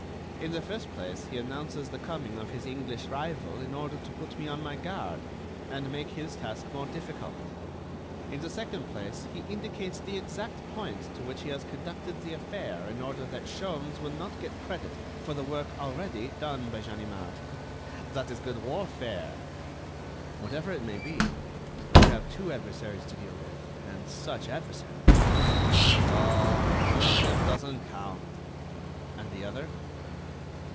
In the first place, he announces the coming of his English rival in order to put me on my guard, and make his task more difficult. In the second place, he indicates the exact point to which he has conducted the affair in order that Sholmes will not get credit for the work already done by Ganimard. That is good warfare." "Whatever it may be, you have two adversaries to deal with, and such adversaries!" "Oh! one of them doesn't count." "And the other?"